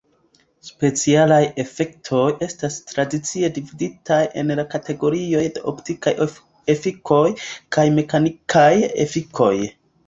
Specialaj efektoj estas tradicie dividitaj en la kategorioj de optikaj efikoj kaj mekanikaj efikoj.